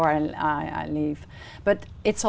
đừng tự tỉ